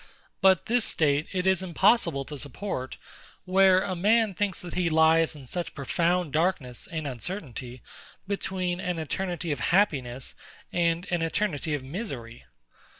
But this state it is impossible to support, where a man thinks that he lies in such profound darkness and uncertainty, between an eternity of happiness and an eternity of misery.